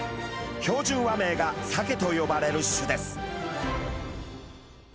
標準和名がサケと呼ばれる種です。